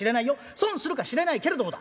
損するかしれないけれどもだ